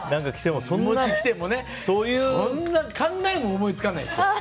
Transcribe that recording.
もし来てもね考えも思いつかないですよ。